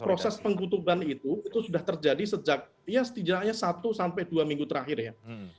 dan proses pengkutuban itu itu sudah terjadi sejak ya setidaknya satu sampai dua minggu terakhir ya